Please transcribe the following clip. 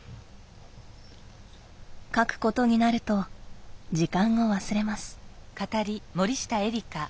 書くことになると時間を忘れます。